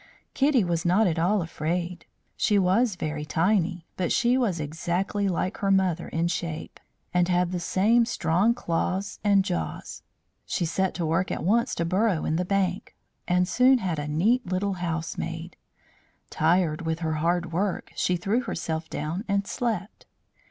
Kitty was not at all afraid. She was very tiny, but she was exactly like her mother in shape, and had the same strong claws and jaws. She set to work at once to burrow in the bank, and soon had a neat little house made. Tired with her hard work, she threw herself down and slept.